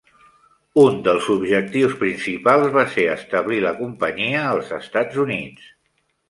Un dels objectius principals va ser establir la companyia als Estats Units.